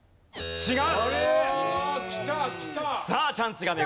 違う！